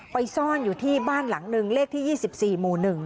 ซ่อนอยู่ที่บ้านหลังหนึ่งเลขที่๒๔หมู่๑